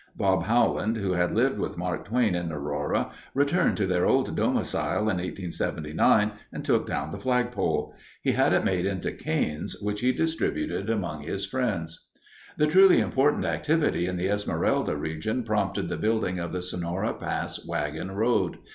Bob Howland, who had lived with Mark Twain in Aurora, returned to their old domicile in 1879 and took down the flagpole. He had it made into canes, which he distributed among his friends. The truly important activity in the Esmeralda region prompted the building of the Sonora Pass wagon road.